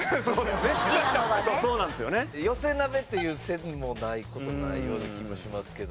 寄せ鍋という線もない事ないような気もしますけど。